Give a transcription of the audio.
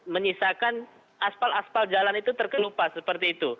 menyisakan aspal aspal jalan itu terkelupas seperti itu